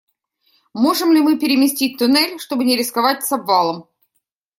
Можем ли мы переместить туннель, чтобы не рисковать с обвалом?